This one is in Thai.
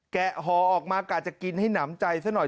ห่อออกมากะจะกินให้หนำใจซะหน่อย